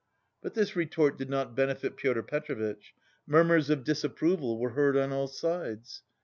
But this retort did not benefit Pyotr Petrovitch. Murmurs of disapproval were heard on all sides.